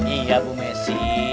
iya bu messi